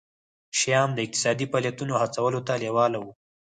شیام د اقتصادي فعالیتونو هڅولو ته لېواله وو.